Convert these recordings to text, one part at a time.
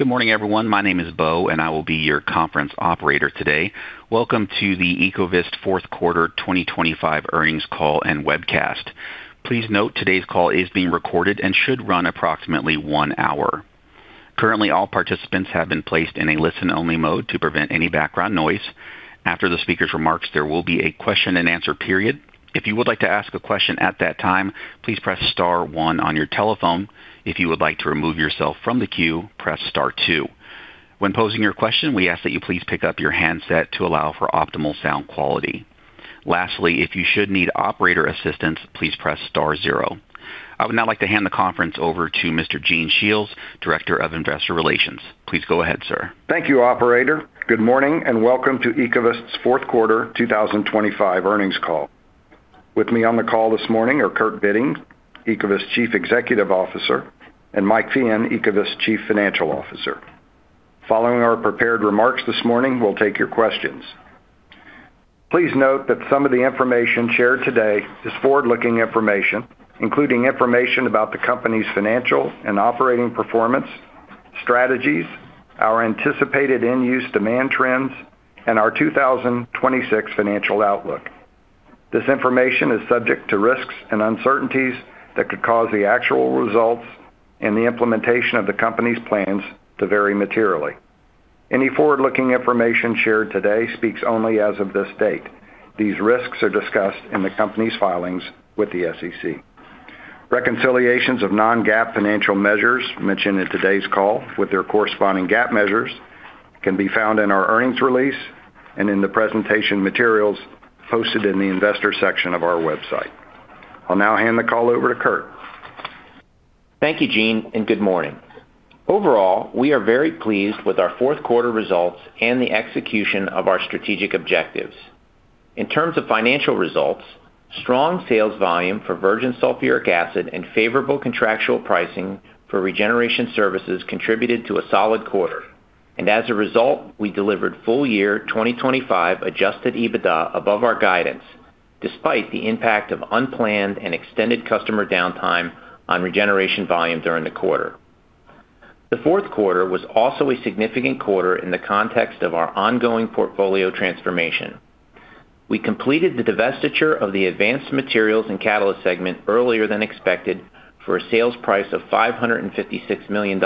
Good morning, everyone. My name is Beau, and I will be your Conference Operator today. Welcome to the Ecovyst fourth quarter 2025 earnings call and webcast. Please note, today's call is being recorded and should run approximately 1 hour. Currently, all participants have been placed in a listen-only mode to prevent any background noise. After the speaker's remarks, there will be a question-and-answer period. If you would like to ask a question at that time, please press star one on your telephone. If you would like to remove yourself from the queue, press star two. When posing your question, we ask that you please pick up your handset to allow for optimal sound quality. Lastly, if you should need operator assistance, please press star zero. I would now like to hand the conference over to Mr. Gene Shiels, Director of Investor Relations. Please go ahead, sir. Thank you, operator. Good morning, and welcome to Ecovyst's fourth quarter 2025 earnings call. With me on the call this morning are Kurt Bitting, Ecovyst Chief Executive Officer, and Mike Feehan, Ecovyst Chief Financial Officer. Following our prepared remarks this morning, we'll take your questions. Please note that some of the information shared today is forward-looking information, including information about the company's financial and operating performance, strategies, our anticipated end-use demand trends, and our 2026 financial outlook. This information is subject to risks and uncertainties that could cause the actual results and the implementation of the company's plans to vary materially. Any forward-looking information shared today speaks only as of this date. These risks are discussed in the company's filings with the SEC. Reconciliations of non-GAAP financial measures mentioned in today's call with their corresponding GAAP measures can be found in our earnings release and in the presentation materials posted in the investor section of our website. I'll now hand the call over to Kurt. Thank you, Gene, and good morning. Overall, we are very pleased with our fourth quarter results and the execution of our strategic objectives. In terms of financial results, strong sales volume for virgin sulfuric acid and favorable contractual pricing for regeneration services contributed to a solid quarter. As a result, we delivered full year 2025 Adjusted EBITDA above our guidance, despite the impact of unplanned and extended customer downtime on regeneration volume during the quarter. The fourth quarter was also a significant quarter in the context of our ongoing portfolio transformation. We completed the divestiture of the Advanced Materials & Catalysts segment earlier than expected for a sales price of $556 million,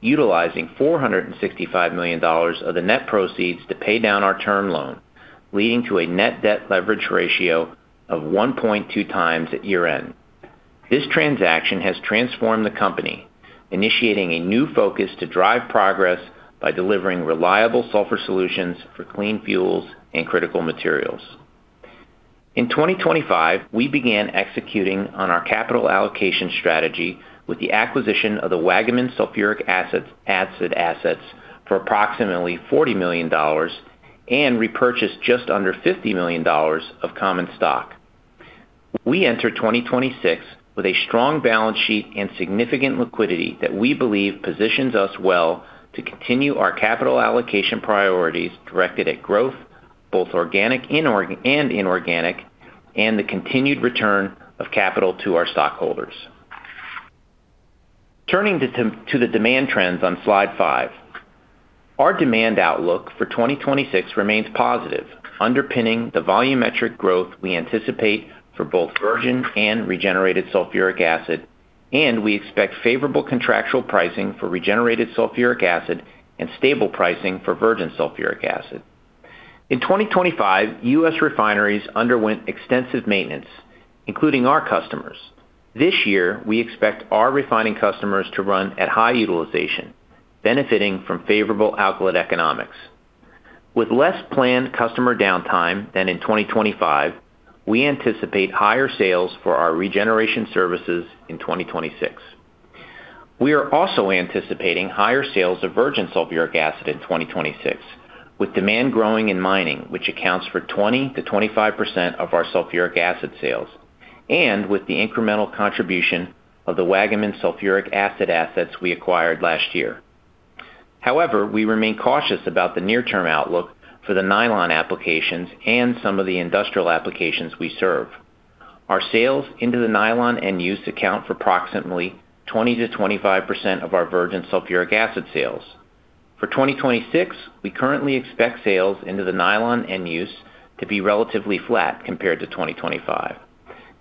utilizing $465 million of the net proceeds to pay down our term loan, leading to a net debt leverage ratio of 1.2 times at year-end. This transaction has transformed the company, initiating a new focus to drive progress by delivering reliable sulfur solutions for clean fuels and critical materials. In 2025, we began executing on our capital allocation strategy with the acquisition of the Waggaman sulfuric acid assets for approximately $40 million and repurchased just under $50 million of common stock. We enter 2026 with a strong balance sheet and significant liquidity that we believe positions us well to continue our capital allocation priorities directed at growth, both organic and inorganic, and the continued return of capital to our stockholders. Turning to the demand trends on slide five. Our demand outlook for 2026 remains positive, underpinning the volumetric growth we anticipate for both virgin and regenerated sulfuric acid, and we expect favorable contractual pricing for regenerated sulfuric acid and stable pricing for virgin sulfuric acid. In 2025, U.S. refineries underwent extensive maintenance, including our customers. This year, we expect our refining customers to run at high utilization, benefiting from favorable outlet economics. With less planned customer downtime than in 2025, we anticipate higher sales for our regeneration services in 2026. We are also anticipating higher sales of virgin sulfuric acid in 2026, with demand growing in mining, which accounts for 20%-25% of our sulfuric acid sales, and with the incremental contribution of the Waggaman sulfuric acid assets we acquired last year. However, we remain cautious about the near-term outlook for the nylon applications and some of the industrial applications we serve. Our sales into the nylon end use account for approximately 20%-25% of our virgin sulfuric acid sales. For 2026, we currently expect sales into the nylon end use to be relatively flat compared to 2025.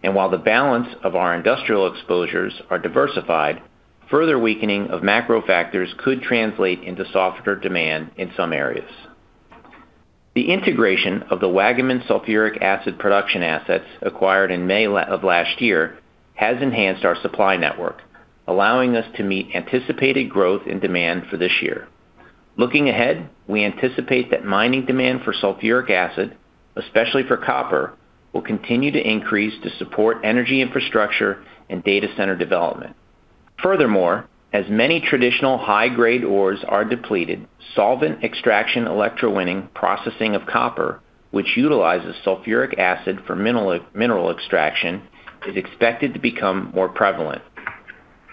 While the balance of our industrial exposures are diversified, further weakening of macro factors could translate into softer demand in some areas. The integration of the Waggaman sulfuric acid production assets acquired in May of last year has enhanced our supply network, allowing us to meet anticipated growth and demand for this year. Looking ahead, we anticipate that mining demand for sulfuric acid, especially for copper, will continue to increase to support energy infrastructure and data center development. Furthermore, as many traditional high-grade ores are depleted, solvent extraction, electrowinning, processing of copper, which utilizes sulfuric acid for mineral extraction, is expected to become more prevalent.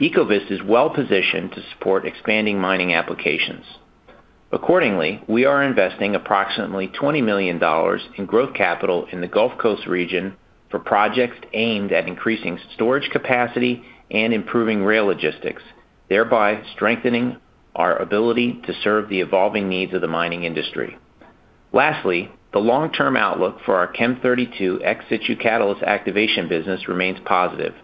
Ecovyst is well positioned to support expanding mining applications. Accordingly, we are investing approximately $20 million in growth capital in the Gulf Coast region for projects aimed at increasing storage capacity and improving rail logistics, thereby strengthening our ability to serve the evolving needs of the mining industry. Lastly, the long-term outlook for our Chem32 ex-situ catalyst activation business remains positive,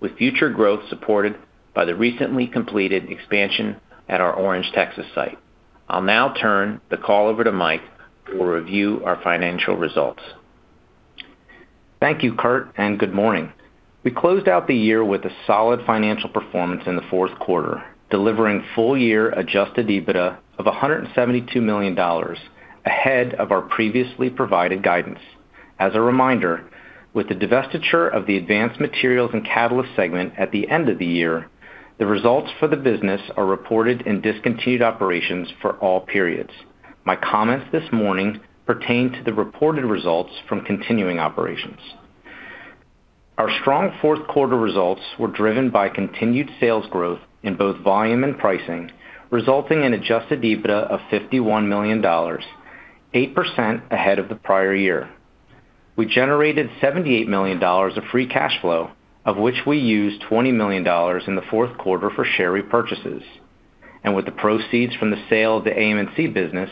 with future growth supported by the recently completed expansion at our Orange, Texas site. I'll now turn the call over to Mike, who will review our financial results. Thank you, Kurt. Good morning. We closed out the year with a solid financial performance in the fourth quarter, delivering full year Adjusted EBITDA of $172 million, ahead of our previously provided guidance. As a reminder, with the divestiture of the Advanced Materials & Catalysts segment at the end of the year, the results for the business are reported in discontinued operations for all periods. My comments this morning pertain to the reported results from continuing operations. Our strong fourth quarter results were driven by continued sales growth in both volume and pricing, resulting in Adjusted EBITDA of $51 million, 8% ahead of the prior year. We generated $78 million of free cash flow, of which we used $20 million in the fourth quarter for share repurchases. With the proceeds from the sale of the AM&C business,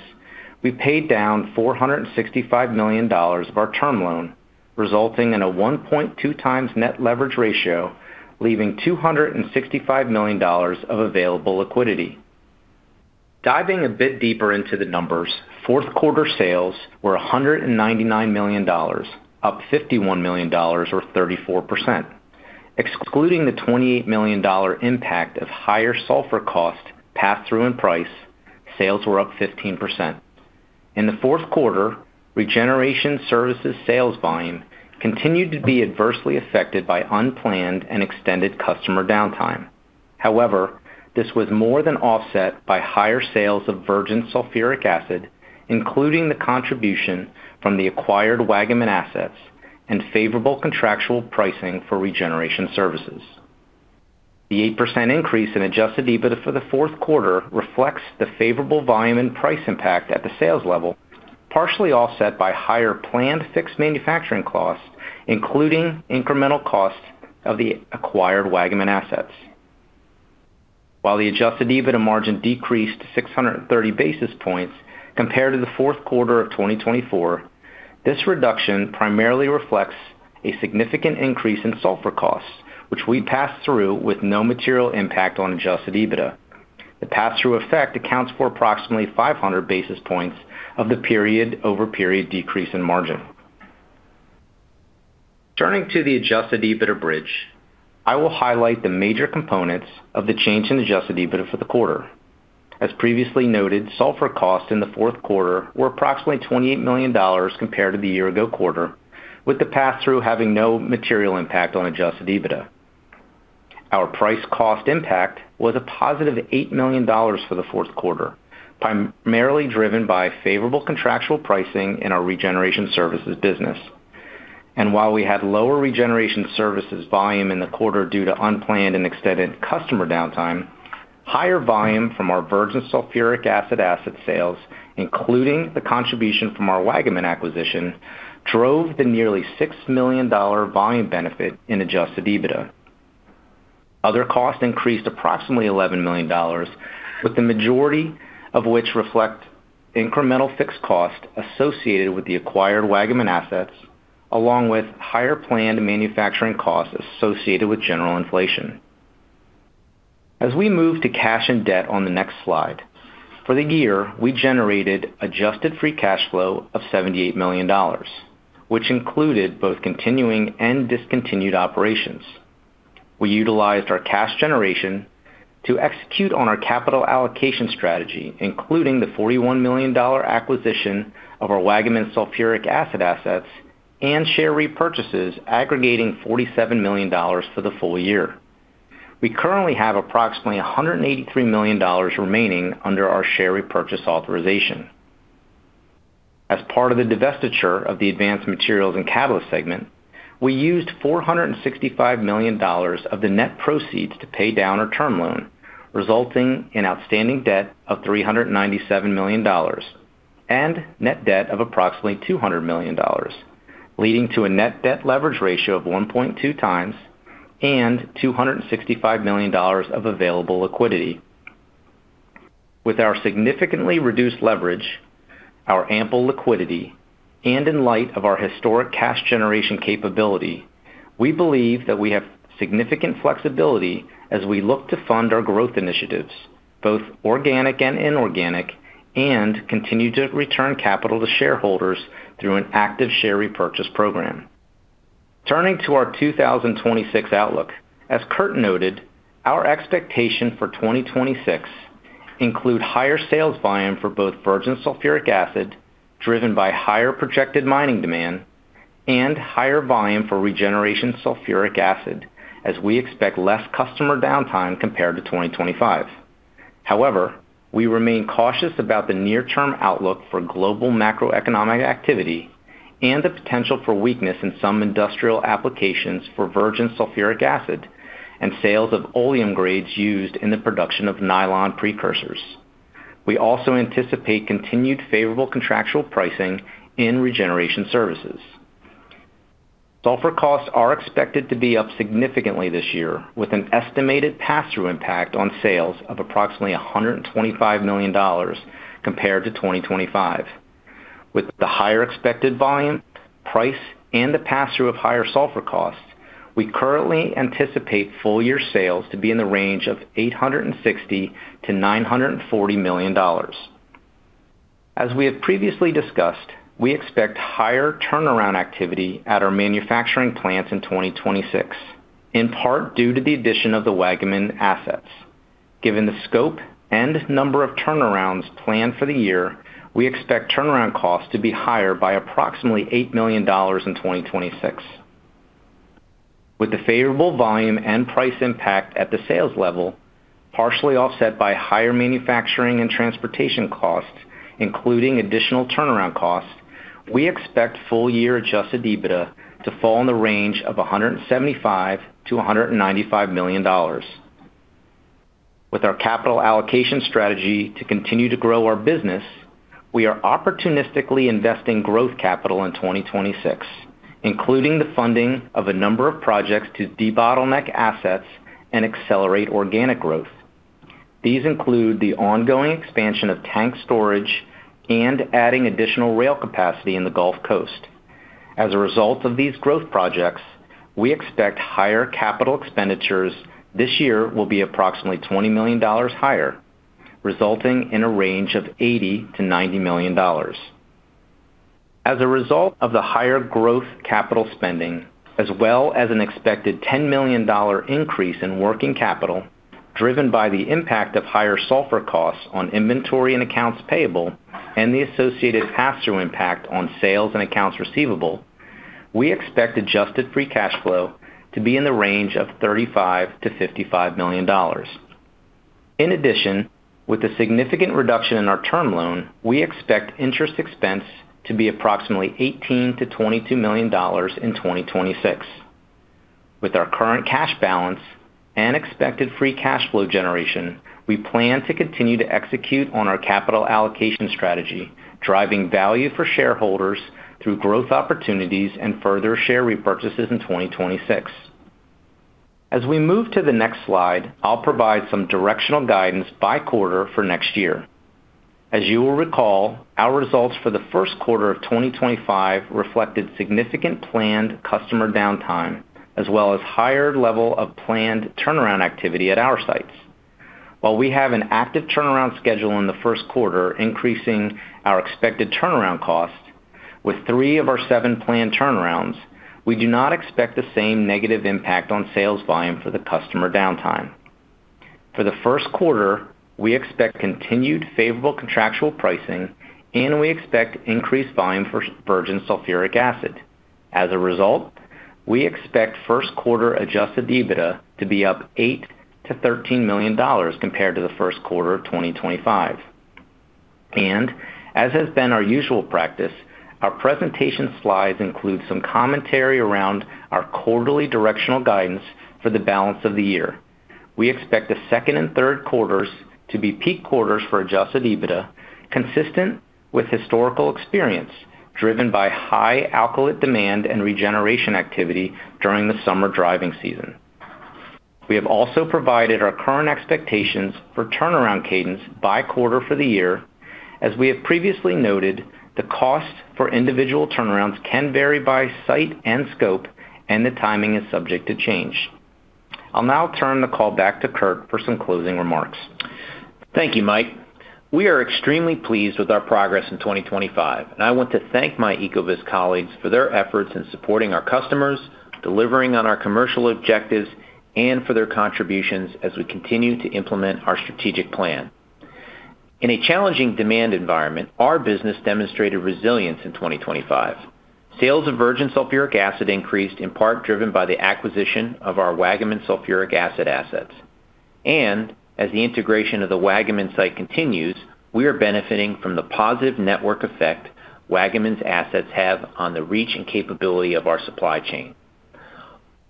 we paid down $465 million of our term loan, resulting in a 1.2x net leverage ratio, leaving $265 million of available liquidity. Diving a bit deeper into the numbers, fourth quarter sales were $199 million, up $51 million or 34%. Excluding the $28 million impact of higher sulfur cost passed through in price, sales were up 15%. In the fourth quarter, regeneration services sales volume continued to be adversely affected by unplanned and extended customer downtime. However, this was more than offset by higher sales of virgin sulfuric acid, including the contribution from the acquired Waggaman assets and favorable contractual pricing for regeneration services. The 8% increase in Adjusted EBITDA for the fourth quarter reflects the favorable volume and price impact at the sales level, partially offset by higher planned fixed manufacturing costs, including incremental costs of the acquired Waggaman assets. While the Adjusted EBITDA margin decreased 630 basis points compared to the fourth quarter of 2024, this reduction primarily reflects a significant increase in sulfur costs, which we passed through with no material impact on Adjusted EBITDA. The pass-through effect accounts for approximately 500 basis points of the period-over-period decrease in margin. Turning to the Adjusted EBITDA bridge, I will highlight the major components of the change in Adjusted EBITDA for the quarter. As previously noted, sulfur costs in the fourth quarter were approximately $28 million compared to the year ago quarter, with the pass-through having no material impact on Adjusted EBITDA. Our price cost impact was a positive $8 million for the fourth quarter, primarily driven by favorable contractual pricing in our regeneration services business. While we had lower regeneration services volume in the quarter due to unplanned and extended customer downtime, higher volume from our virgin sulfuric acid asset sales, including the contribution from our Waggaman acquisition, drove the nearly $6 million volume benefit in Adjusted EBITDA. Other costs increased approximately $11 million, with the majority of which reflect incremental fixed costs associated with the acquired Waggaman assets, along with higher planned manufacturing costs associated with general inflation. As we move to cash and debt on the next slide, for the year, we generated adjusted free cash flow of $78 million, which included both continuing and discontinued operations. We utilized our cash generation to execute on our capital allocation strategy, including the $41 million acquisition of our Waggaman sulfuric acid assets and share repurchases aggregating $47 million for the full year. We currently have approximately $183 million remaining under our share repurchase authorization. Part of the divestiture of the Advanced Materials & Catalysts segment, we used $465 million of the net proceeds to pay down our term loan, resulting in outstanding debt of $397 million and net debt of approximately $200 million, leading to a net debt leverage ratio of 1.2x and $265 million of available liquidity. With our significantly reduced leverage, our ample liquidity, and in light of our historic cash generation capability, we believe that we have significant flexibility as we look to fund our growth initiatives, both organic and inorganic, and continue to return capital to shareholders through an active share repurchase program. Turning to our 2026 outlook, as Kurt noted, our expectation for 2026 include higher sales volume for both virgin sulfuric acid, driven by higher projected mining demand, and higher volume for regenerated sulfuric acid, as we expect less customer downtime compared to 2025. However, we remain cautious about the near-term outlook for global macroeconomic activity, and the potential for weakness in some industrial applications for virgin sulfuric acid and sales of oleum grades used in the production of nylon precursors. We also anticipate continued favorable contractual pricing in regeneration services. Sulfur costs are expected to be up significantly this year, with an estimated pass-through impact on sales of approximately $125 million compared to 2025. With the higher expected volume, price, and the pass-through of higher sulfur costs, we currently anticipate full year sales to be in the range of $860 million-$940 million. As we have previously discussed, we expect higher turnaround activity at our manufacturing plants in 2026, in part due to the addition of the Waggaman assets. Given the scope and number of turnarounds planned for the year, we expect turnaround costs to be higher by approximately $80 million in 2026. With the favorable volume and price impact at the sales level, partially offset by higher manufacturing and transportation costs, including additional turnaround costs, we expect full year Adjusted EBITDA to fall in the range of $175 million-$195 million. With our capital allocation strategy to continue to grow our business, we are opportunistically investing growth capital in 2026, including the funding of a number of projects to debottleneck assets and accelerate organic growth. These include the ongoing expansion of tank storage and adding additional rail capacity in the Gulf Coast. As a result of these growth projects, we expect higher capital expenditures this year will be approximately $20 million higher, resulting in a range of $80 million-$90 million. As a result of the higher growth capital spending, as well as an expected $10 million increase in working capital, driven by the impact of higher sulfur costs on inventory and accounts payable, and the associated pass-through impact on sales and accounts receivable, we expect adjusted free cash flow to be in the range of $35 million-$55 million. With the significant reduction in our term loan, we expect interest expense to be approximately $18 million-$22 million in 2026. With our current cash balance and expected free cash flow generation, we plan to continue to execute on our capital allocation strategy, driving value for shareholders through growth opportunities and further share repurchases in 2026. We move to the next slide, I'll provide some directional guidance by quarter for next year. As you will recall, our results for the first quarter of 2025 reflected significant planned customer downtime, as well as higher level of planned turnaround activity at our sites. While we have an active turnaround schedule in the first quarter, increasing our expected turnaround costs, with three of our seven planned turnarounds, we do not expect the same negative impact on sales volume for the customer downtime. For the first quarter, we expect continued favorable contractual pricing, we expect increased volume for virgin sulfuric acid. As a result, we expect first quarter Adjusted EBITDA to be up $8 million-$13 million compared to the first quarter of 2025. As has been our usual practice, our presentation slides include some commentary around our quarterly directional guidance for the balance of the year. We expect the second and third quarters to be peak quarters for Adjusted EBITDA, consistent with historical experience, driven by high alkylate demand and regeneration activity during the summer driving season. We have also provided our current expectations for turnaround cadence by quarter for the year. As we have previously noted, the cost for individual turnarounds can vary by site and scope, and the timing is subject to change. I'll now turn the call back to Kurt for some closing remarks. Thank you, Mike. We are extremely pleased with our progress in 2025. I want to thank my Ecovyst colleagues for their efforts in supporting our customers, delivering on our commercial objectives, and for their contributions as we continue to implement our strategic plan. In a challenging demand environment, our business demonstrated resilience in 2025. Sales of virgin sulfuric acid increased, in part driven by the acquisition of our Waggaman sulfuric acid assets. As the integration of the Waggaman site continues, we are benefiting from the positive network effect Waggaman's assets have on the reach and capability of our supply chain.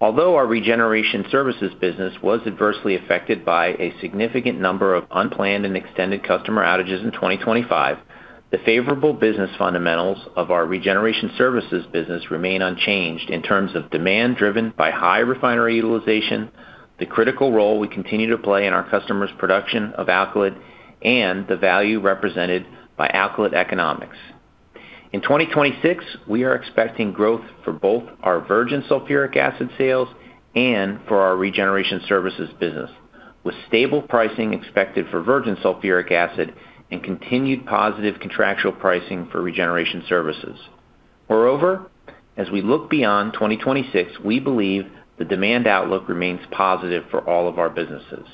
Our regeneration services business was adversely affected by a significant number of unplanned and extended customer outages in 2025, the favorable business fundamentals of our regeneration services business remain unchanged in terms of demand driven by high refinery utilization, the critical role we continue to play in our customers' production of alkylate, and the value represented by alkylate economics. In 2026, we are expecting growth for both our virgin sulfuric acid sales and for our regeneration services business, with stable pricing expected for virgin sulfuric acid and continued positive contractual pricing for regeneration services. As we look beyond 2026, we believe the demand outlook remains positive for all of our businesses.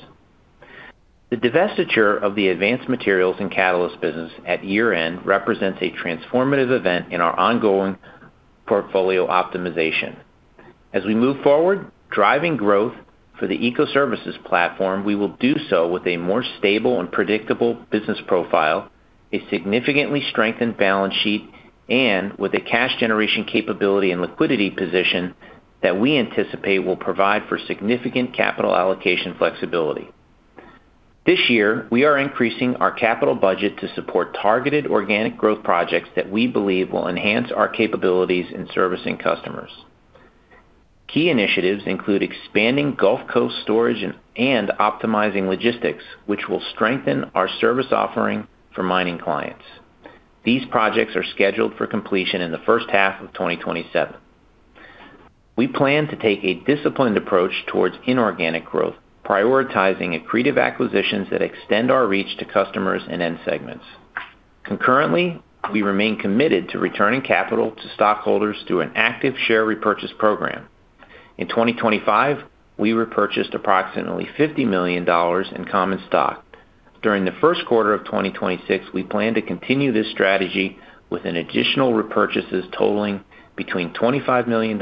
The divestiture of the Advanced Materials & Catalysts business at year-end represents a transformative event in our ongoing portfolio optimization. As we move forward, driving growth for the Ecoservices platform, we will do so with a more stable and predictable business profile, a significantly strengthened balance sheet, and with a cash generation capability and liquidity position that we anticipate will provide for significant capital allocation flexibility. This year, we are increasing our capital budget to support targeted organic growth projects that we believe will enhance our capabilities in servicing customers. Key initiatives include expanding Gulf Coast storage and optimizing logistics, which will strengthen our service offering for mining clients. These projects are scheduled for completion in the first half of 2027. We plan to take a disciplined approach towards inorganic growth, prioritizing accretive acquisitions that extend our reach to customers and end segments. Concurrently, we remain committed to returning capital to stockholders through an active share repurchase program. In 2025, we repurchased approximately $50 million in common stock. During the first quarter of 2026, we plan to continue this strategy with additional repurchases totaling between $25 million and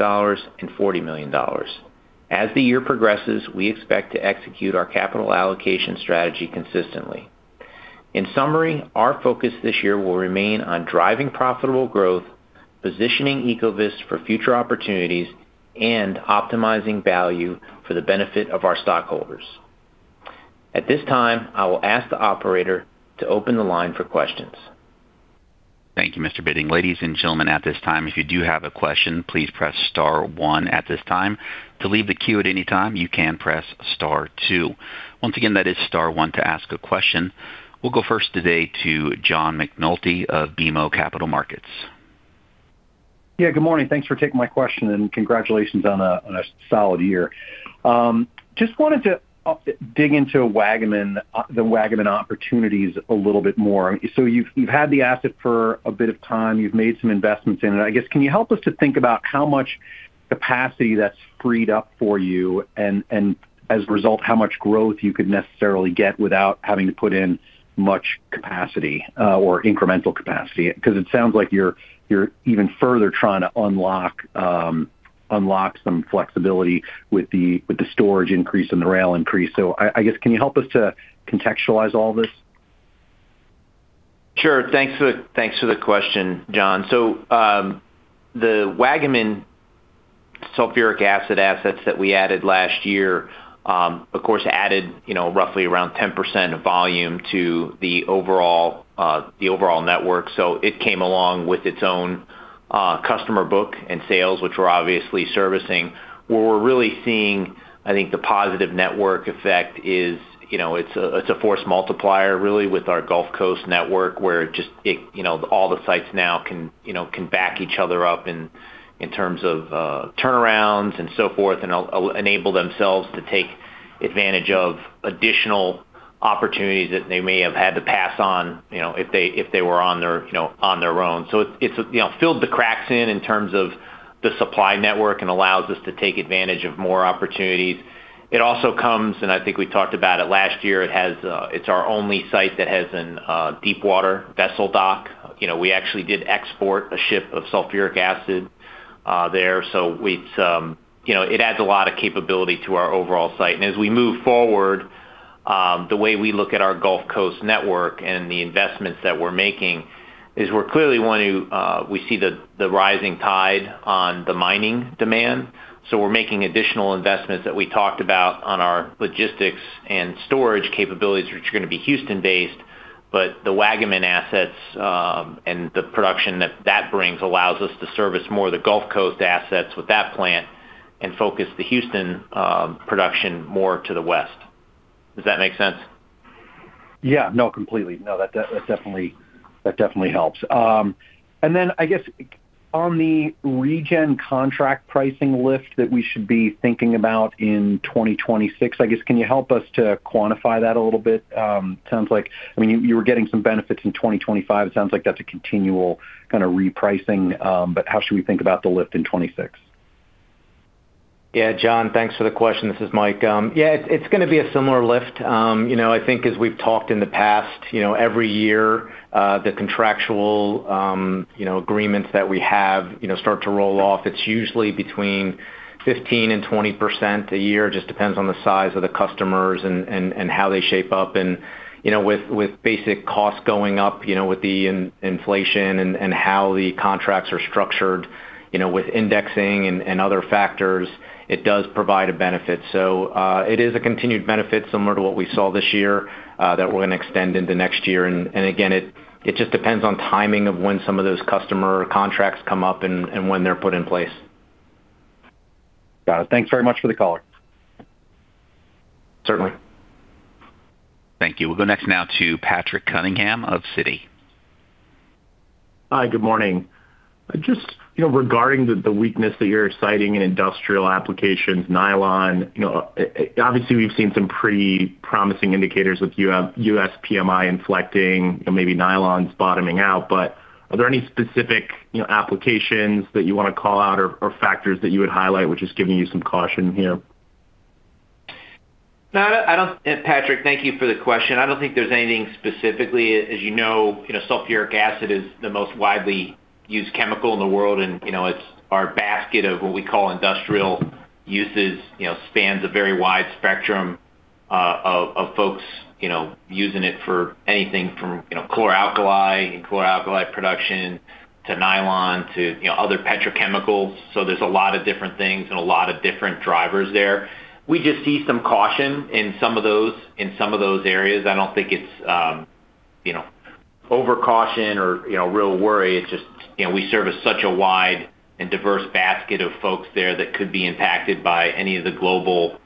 $40 million. As the year progresses, we expect to execute our capital allocation strategy consistently. In summary, our focus this year will remain on driving profitable growth, positioning Ecovyst for future opportunities, and optimizing value for the benefit of our stockholders. At this time, I will ask the operator to open the line for questions. Thank you, Mr. Bitting. Ladies and gentlemen, at this time, if you do have a question, please press star one at this time. To leave the queue at any time, you can press star two. Once again, that is star one to ask a question. We'll go first today to John McNulty of BMO Capital Markets. Good morning. Thanks for taking my question, and congratulations on a solid year. Just wanted to dig into Waggaman, the Waggaman opportunities a little bit more. You've had the asset for a bit of time. You've made some investments in it. I guess, can you help us to think about how much capacity that's freed up for you and as a result, how much growth you could necessarily get without having to put in much capacity or incremental capacity? Because it sounds like you're even further trying to unlock some flexibility with the storage increase and the rail increase. I guess, can you help us to contextualize all this? Sure. Thanks for, thanks for the question, John. The Waggaman sulfuric acid assets that we added last year, of course, added, you know, roughly around 10% of volume to the overall, the overall network. It came along with its own customer book and sales, which we're obviously servicing. Where we're really seeing, I think, the positive network effect is, you know, it's a, it's a force multiplier, really, with our Gulf Coast network, where just it, you know, all the sites now can, you know, can back each other up in terms of turnarounds and so forth, and enable themselves to take advantage of additional opportunities that they may have had to pass on, you know, if they, if they were on their, you know, on their own. It's, you know, filled the cracks in terms of the supply network and allows us to take advantage of more opportunities. It also comes, and I think we talked about it last year, it has, it's our only site that has a deep water vessel dock. You know, we actually did export a ship of sulfuric acid there. It's, you know, it adds a lot of capability to our overall site. As we move forward, the way we look at our Gulf Coast network and the investments that we're making is we're clearly wanting to, we see the rising tide on the mining demand, so we're making additional investments that we talked about on our logistics and storage capabilities, which are gonna be Houston-based. The Waggaman assets, and the production that that brings, allows us to service more of the Gulf Coast assets with that plant and focus the Houston, production more to the west. Does that make sense? Yeah. Completely. That definitely helps. I guess on the regen contract pricing lift that we should be thinking about in 2026, I guess, can you help us to quantify that a little bit? Sounds like, I mean, you were getting some benefits in 2025. It sounds like that's a continual kind of repricing, how should we think about the lift in 2026? Yeah, John, thanks for the question. This is Mike. Yeah, it's gonna be a similar lift. You know, I think as we've talked in the past, you know, every year, the contractual, you know, agreements that we have, you know, start to roll off. It's usually between 15% and 20% a year, just depends on the size of the customers and how they shape up. You know, with basic costs going up, you know, with the inflation and how the contracts are structured, you know, with indexing and other factors, it does provide a benefit. It is a continued benefit similar to what we saw this year, that we're gonna extend into next year. Again, it just depends on timing of when some of those customer contracts come up and when they're put in place. Got it. Thanks very much for the color. Certainly. Thank you. We'll go next now to Patrick Cunningham of Citi. Hi, good morning. Just, you know, regarding the weakness that you're citing in industrial applications, nylon, you know, obviously, we've seen some pretty promising indicators with U.S. PMI inflecting, and maybe nylon's bottoming out. Are there any specific, you know, applications that you wanna call out or factors that you would highlight, which is giving you some caution here? No, I don't-Patrick, thank you for the question. I don't think there's anything specifically. As you know, you know, sulfuric acid is the most widely used chemical in the world, and, you know, it's our basket of what we call industrial uses, you know, spans a very wide spectrum of folks, you know, using it for anything from, you know, chlor-alkali production to nylon to, you know, other petrochemicals. There's a lot of different things and a lot of different drivers there. We just see some caution in some of those areas. I don't think it's, you know, overcaution or, you know, real worry. It's just, you know, we serve as such a wide and diverse basket of folks there that could be impacted by any of the global,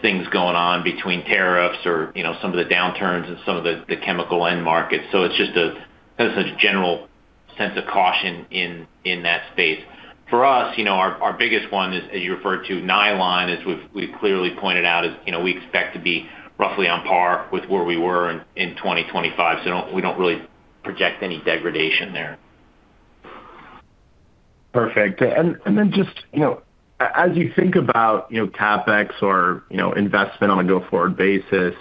things going on between tariffs or, you know, some of the downturns and some of the chemical end markets. It's just a kind of such a general sense of caution in that space. For us, you know, our biggest one is, as you referred to, nylon, as we've clearly pointed out, is, you know, we expect to be roughly on par with where we were in 2025, so we don't really project any degradation there. Perfect. Then just, you know, as you think about, you know, CapEx or, you know, investment on a go-forward basis,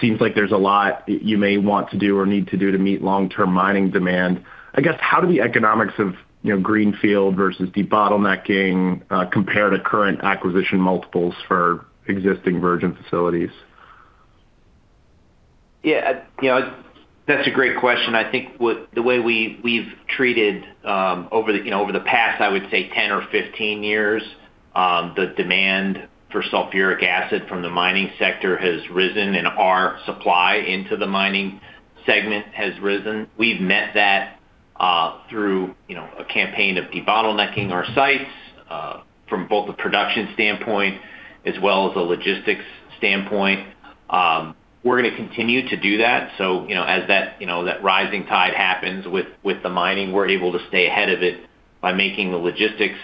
seems like there's a lot that you may want to do or need to do to meet long-term mining demand. I guess, how do the economics of, you know, greenfield versus debottlenecking, compare to current acquisition multiples for existing virgin facilities? Yeah, you know, that's a great question. I think with the way we've treated, over the, you know, over the past, I would say 10 or 15 years, the demand for sulfuric acid from the mining sector has risen, and our supply into the mining segment has risen. We've met that, through, you know, a campaign of debottlenecking our sites, from both a production standpoint as well as a logistics standpoint. We're gonna continue to do that. You know, as that, you know, that rising tide happens with the mining, we're able to stay ahead of it by making the logistics,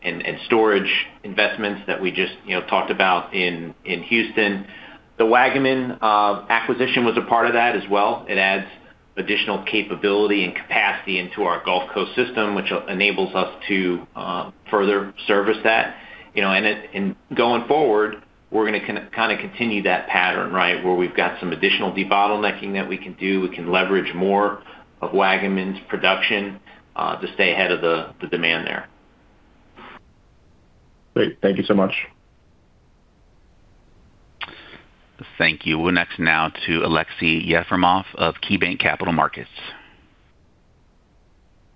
and storage investments that we just, you know, talked about in Houston. The Waggaman acquisition was a part of that as well. It adds additional capability and capacity into our Gulf Coast system, which enables us to further service that, you know, going forward, we're gonna kinda continue that pattern, right? Where we've got some additional debottlenecking that we can do. We can leverage more of Waggaman's production to stay ahead of the demand there. Great. Thank you so much. Thank you. We're next now to Aleksey Yefremov of KeyBanc Capital Markets.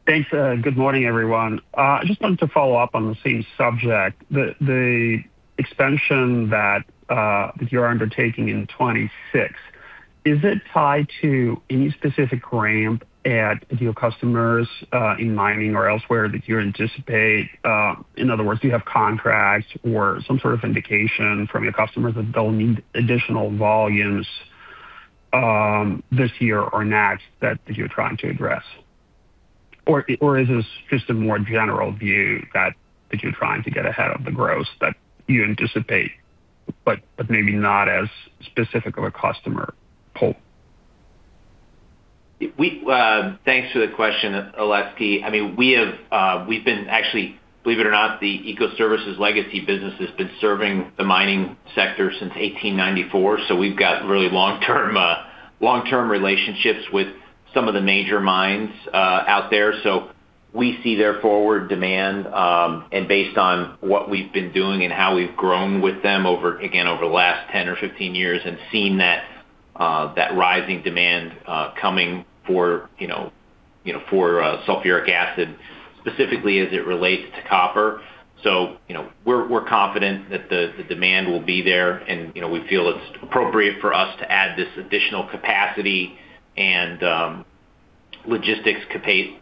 Thanks, good morning, everyone. I just wanted to follow up on the same subject. The expansion that you're undertaking in 2026, is it tied to any specific ramp at your customers in mining or elsewhere that you anticipate? In other words, do you have contracts or some sort of indication from your customers that they'll need additional volumes this year or next that you're trying to address? Is this just a more general view that you're trying to get ahead of the growth that you anticipate, but maybe not as specific of a customer pull? Thanks for the question, Aleksey. I mean, we have, we've been actually, believe it or not, the Ecoservices legacy business has been serving the mining sector since 1894. We've got really long-term relationships with some of the major mines out there. We see their forward demand, and based on what we've been doing and how we've grown with them over, again, over the last 10 or 15 years and seen that rising demand coming for, you know, for sulfuric acid, specifically as it relates to copper. You know, we're confident that the demand will be there, and, you know, we feel it's appropriate for us to add this additional capacity and logistics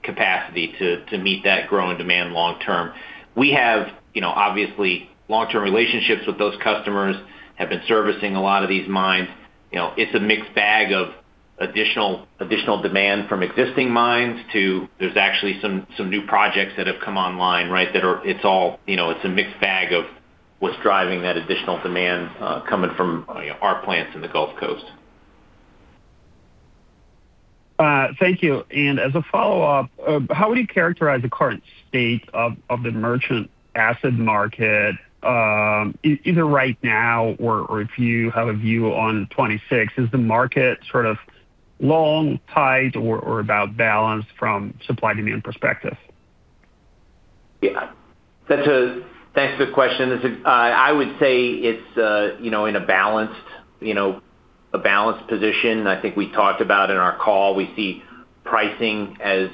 capacity to meet that growing demand long term. We have, you know, obviously, long-term relationships with those customers, have been servicing a lot of these mines. You know, it's a mixed bag of additional demand from existing mines to there's actually some new projects that have come online, right? It's all, you know, it's a mixed bag of what's driving that additional demand, coming from, you know, our plants in the Gulf Coast. Thank you. As a follow-up, how would you characterize the current state of the merchant acid market, either right now or if you have a view on 2026? Is the market sort of long, tight, or about balanced from supply-demand perspective? Thanks for the question. I would say it's, you know, in a balanced, you know, a balanced position. I think we talked about in our call, we see pricing as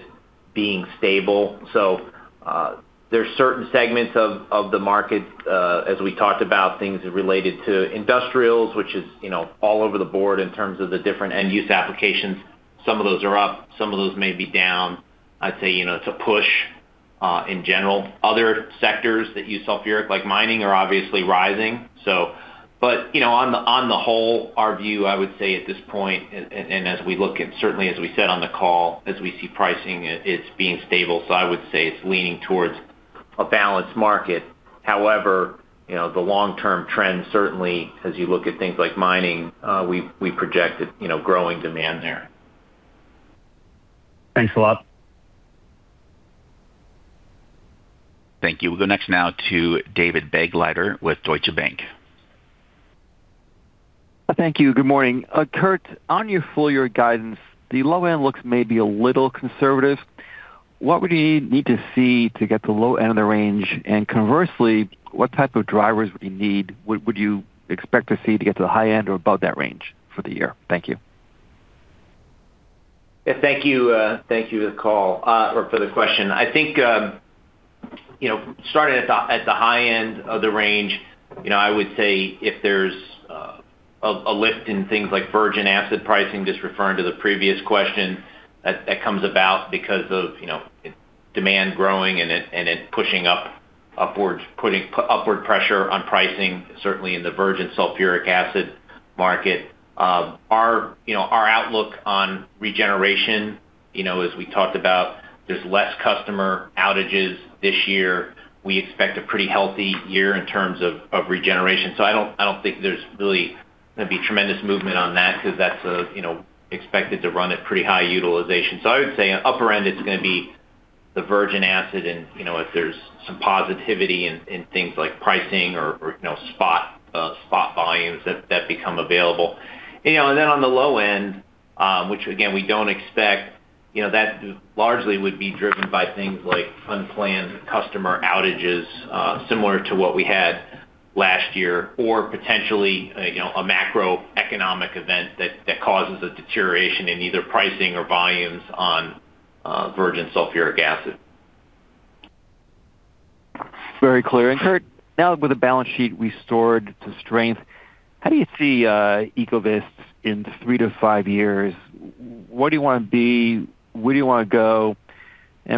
being stable. There are certain segments of the market, as we talked about, things related to industrials, which is, you know, all over the board in terms of the different end-use applications. Some of those are up, some of those may be down. I'd say, you know, it's a push in general. Other sectors that use sulfuric, like mining, are obviously rising, so. You know, on the whole, our view, I would say at this point, and as we look at, certainly as we said on the call, as we see pricing, it's being stable. I would say it's leaning towards a balanced market. you know, the long-term trend, certainly, as you look at things like mining, we projected, you know, growing demand there. Thanks a lot. Thank you. We'll go next now to David Begleiter with Deutsche Bank. Thank you. Good morning. Kurt, on your full year guidance, the low end looks maybe a little conservative. What would you need to see to get the low end of the range? Conversely, what type of drivers would you expect to see to get to the high end or above that range for the year? Thank you. Thank you, thank you for the call, or for the question. I think, you know, starting at the, at the high end of the range, you know, I would say if there's a lift in things like virgin acid pricing, just referring to the previous question, that comes about because of, you know, demand growing and it pushing upwards, putting upward pressure on pricing, certainly in the virgin sulfuric acid market. Our, you know, our outlook on regeneration, you know, as we talked about, there's less customer outages this year. We expect a pretty healthy year in terms of regeneration. I don't think there's really going to be tremendous movement on that because that's, you know, expected to run at pretty high utilization. I would say upper end, it's going to be the virgin acid. You know, if there's some positivity in things like pricing or, you know, spot volumes that become available. You know, on the low end, which again, we don't expect, you know, that largely would be driven by things like unplanned customer outages, similar to what we had last year, or potentially, you know, a macroeconomic event that causes a deterioration in either pricing or volumes on virgin sulfuric acid. Very clear. Kurt, now with the balance sheet restored to strength, how do you see Ecovyst in three-five years? Where do you want to be? Where do you want to go?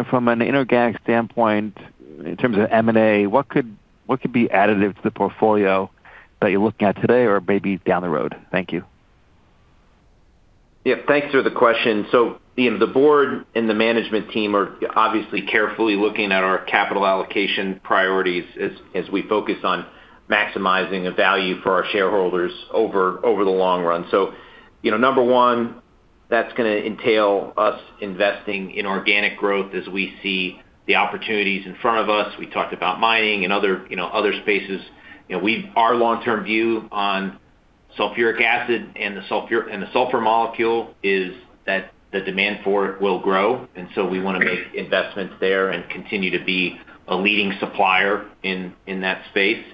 From an inorganic standpoint, in terms of M&A, what could be additive to the portfolio that you're looking at today or maybe down the road? Thank you. Yeah, thanks for the question. The board and the management team are obviously carefully looking at our capital allocation priorities as we focus on maximizing the value for our shareholders over the long run. You know, number one, that's going to entail us investing in organic growth as we see the opportunities in front of us. We talked about mining and other, you know, other spaces. You know, our long-term view on sulfuric acid and the sulfur molecule is that the demand for it will grow, and so we want to make investments there and continue to be a leading supplier in that space.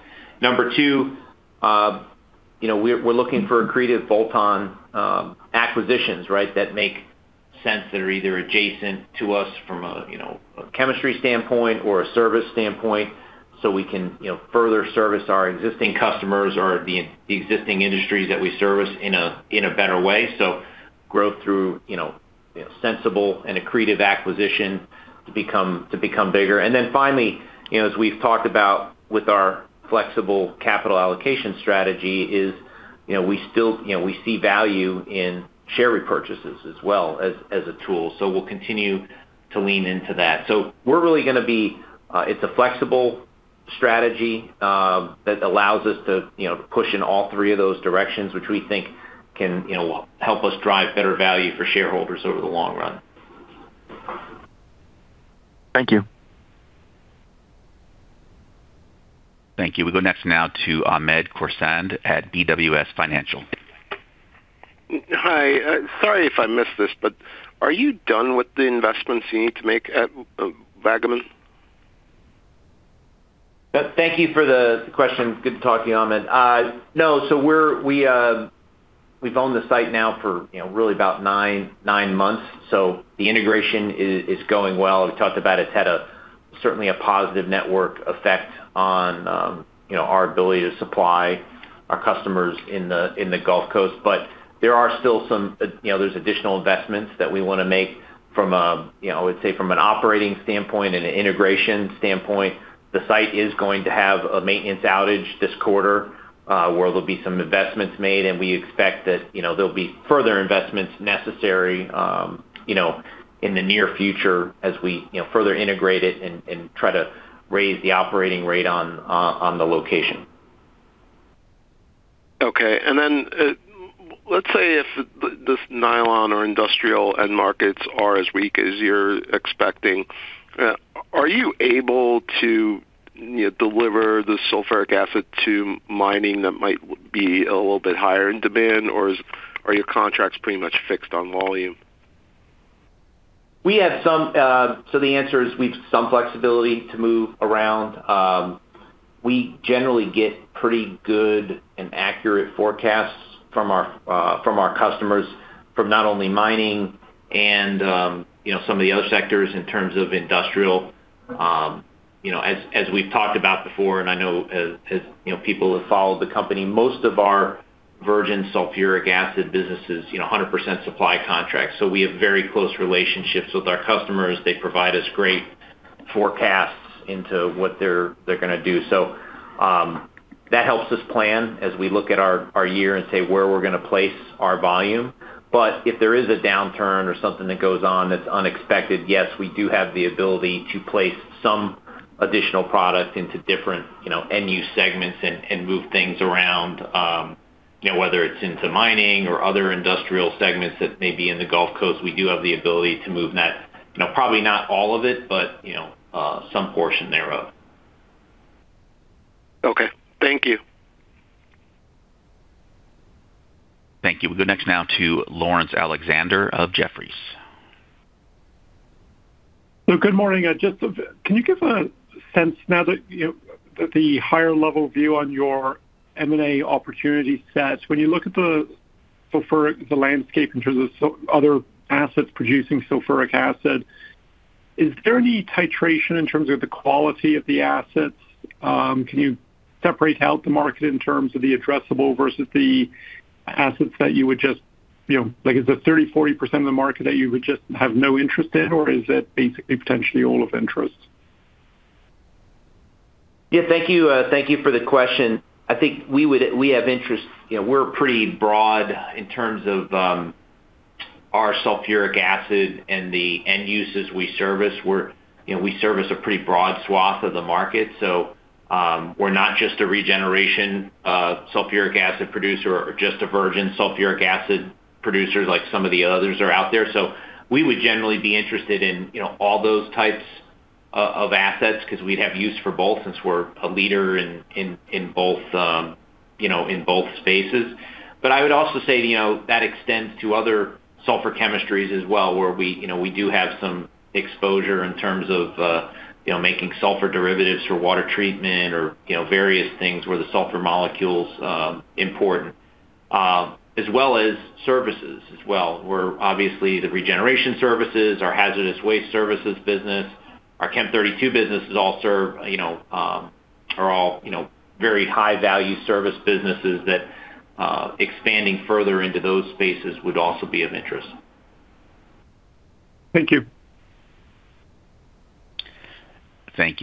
Number two, you know, we're looking for accretive bolt-on acquisitions, right, that make sense, that are either adjacent to us from a, you know, a chemistry standpoint or a service standpoint, so we can, you know, further service our existing customers or the existing industries that we service in a, in a better way. Growth through, you know, sensible and accretive acquisition to become bigger. Finally, you know, as we've talked about with our flexible capital allocation strategy is, you know, we still, you know, we see value in share repurchases as well as a tool, so we'll continue to lean into that. We're really going to be, it's a flexible strategy, that allows us to, you know, push in all three of those directions, which we think can, you know, help us drive better value for shareholders over the long run. Thank you. Thank you. We go next now to Hamed Khorsand at BWS Financial Hi, sorry if I missed this, but are you done with the investments you need to make at Waggaman? Thank you for the question. Good to talk to you, Hamed. No, we've owned the site now for, you know, really about nine months, the integration is going well. We talked about it's had a certainly a positive network effect on, you know, our ability to supply our customers in the, in the Gulf Coast. There are still some, you know, there's additional investments that we want to make from a, you know, I would say, from an operating standpoint and an integration standpoint. The site is going to have a maintenance outage this quarter, where there'll be some investments made. We expect that, you know, there'll be further investments necessary, you know, in the near future as we, you know, further integrate it and try to raise the operating rate on the location. Okay. Then, let's say if the, this nylon or industrial end markets are as weak as you're expecting, are you able to, you know, deliver the sulfuric acid to mining that might be a little bit higher in demand, or are your contracts pretty much fixed on volume? We have some, so the answer is, we've some flexibility to move around. We generally get pretty good and accurate forecasts from our customers, from not only mining and, you know, some of the other sectors in terms of industrial. You know, as we've talked about before, and I know as, you know, people have followed the company, most of our virgin sulfuric acid business is, you know, 100% supply contracts. We have very close relationships with our customers. They provide us great forecasts into what they're going to do. That helps us plan as we look at our year and say where we're going to place our volume. If there is a downturn or something that goes on that's unexpected, yes, we do have the ability to place some additional product into different, you know, end use segments and move things around, you know, whether it's into mining or other industrial segments that may be in the Gulf Coast, we do have the ability to move that. You know, probably not all of it, but, you know, some portion thereof. Okay. Thank you. Thank you. We'll go next now to Laurence Alexander of Jefferies. Good morning. Just, can you give a sense now that, you, the higher level view on your M&A opportunity set? When you look at the sulfuric, the landscape in terms of other assets producing sulfuric acid, is there any titration in terms of the quality of the assets? Can you separate out the market in terms of the addressable versus the assets that you would just, you know, like, is it 30%, 40% of the market that you would just have no interest in, or is it basically potentially all of interest? Yeah, thank you. Thank you for the question. I think we have interest. You know, we're pretty broad in terms of our sulfuric acid and the end uses we service. We're, you know, we service a pretty broad swath of the market, so we're not just a regeneration sulfuric acid producer or just a virgin sulfuric acid producer like some of the others are out there. We would generally be interested in, you know, all those types of assets, 'cause we'd have use for both, since we're a leader in both, you know, in both spaces. I would also say, you know, that extends to other sulfur chemistries as well, where we, you know, we do have some exposure in terms of, you know, making sulfur derivatives for water treatment or, you know, various things where the sulfur molecule's important, as well as services as well, where obviously the regeneration services, our hazardous waste services business, our Chem32 business is also, you know, are all, you know, very high-value service businesses that expanding further into those spaces would also be of interest. Thank you. Thank you.